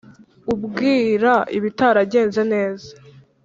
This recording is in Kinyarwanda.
umbwira ibitaragenze neza.